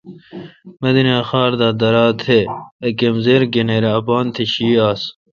مدینہ خار دا درا۔ تہ ا کمزِر گنیراے اپان تہ شی آس۔